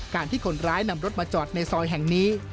ที่คนร้ายนำรถมาจอดในซอยแห่งนี้